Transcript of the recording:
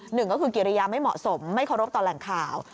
หนึ่งก็คือกิริยาไม่เหมาะสมไม่เคารพต่อแหล่งข่าว